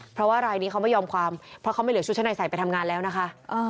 เพราะว่ารายนี้เขาไม่ยอมความเพราะเขาไม่เหลือชุดชั้นในใส่ไปทำงานแล้วนะคะ